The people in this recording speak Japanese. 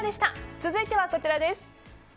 続いては、こちらです。